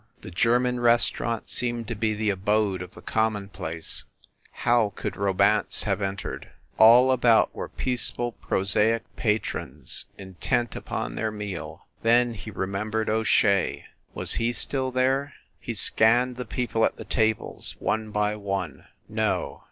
The German restaurant seemed to be the abode of the commonplace how could Romance have entered ? All about were peace ful, prosaic patrons, intent upon their meal. ... Then he remembered O Shea. Was he still there? He scanned the people at the tables, one by one. No.